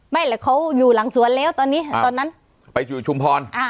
แหละเขาอยู่หลังสวนแล้วตอนนี้ตอนนั้นไปอยู่ชุมพรอ่า